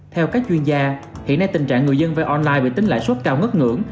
theo các chuyên gia hiện nay tình trạng người dân vay online bị tính lãi suất cao ngất ngưỡng